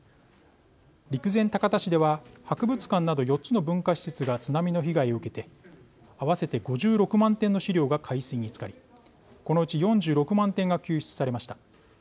陸前高田市では博物館など、４つの文化施設が津波の被害を受けて合わせて５６万点の資料が海水につかりこのうち４６万点が救出されました。